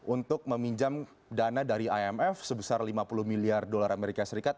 untuk meminjam dana dari imf sebesar lima puluh miliar dolar amerika serikat